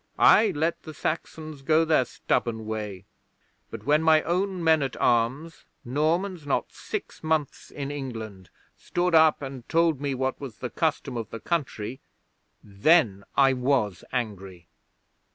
'I let the Saxons go their stubborn way, but when my own men at arms, Normans not six months in England, stood up and told me what was the custom of the country, then I was angry.